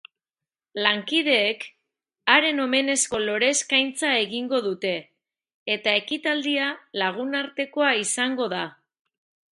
Lankideek haren omenezko lore eskaintza egingo dute, eta ekitaldia lagunartekoa izango da.